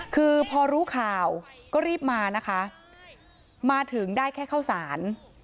คือพอรู้ข่าวก็รีบมานะคะมาถึงได้แค่เข้าสาร